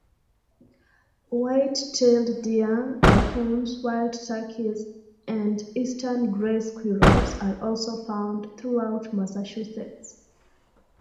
White-tailed deer, raccoons, wild turkeys, and eastern gray squirrels are also found throughout Massachusetts.